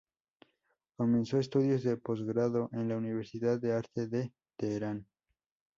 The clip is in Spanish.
Comenzó estudios de posgrado en la Universidad de Arte de Teherán.